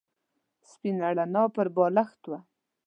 سپینه رڼا پر بالښت وه.